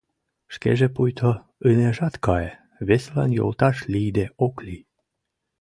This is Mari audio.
Шкеже пуйто ынежат кае, весылан йолташ лийде ок лий.